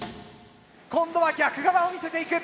今度は逆側を見せていく。